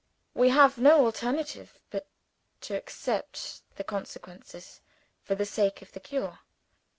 We have no alternative but to accept the consequences for the sake of the cure."